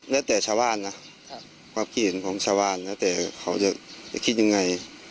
แล้วแต่ชาวบ้านนะความคิดเห็นของชาวบ้านแล้วแต่เขาจะคิดยังไง